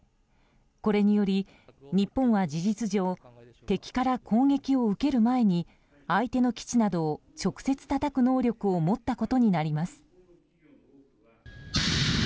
これにより、日本は事実上敵から攻撃を受ける前に相手の基地などを直接たたく能力を持ったことになります。